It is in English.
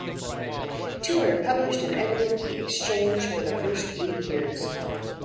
Tuer published and edited the "Exchange" for the first eight years.